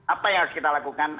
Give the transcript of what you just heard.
apa yang harus kita lakukan